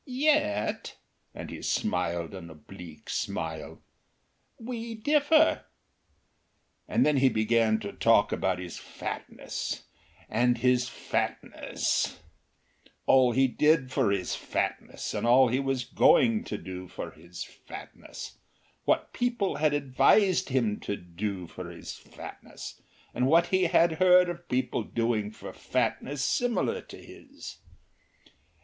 "Yet," and he smiled an oblique smile "we differ." And then he began to talk about his fatness and his fatness; all he did for his fatness and all he was going to do for his fatness; what people had advised him to do for his fatness and what he had heard of people doing for fatness similar to his.